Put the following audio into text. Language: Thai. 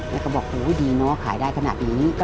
แล้วก็บอกโอ้ดีเนาะขายได้ขนาดนี้